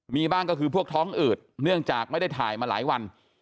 มีบ้างก็คือพวกท้องอืดเนื่องจากไม่ได้ถ่ายมาหลายวัน